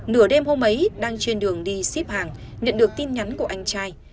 nửa đêm hôm ấy đang trên đường đi ship hàng nhận được tin nhắn của anh trai